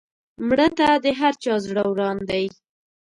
مړه ته د هر چا زړه وران دی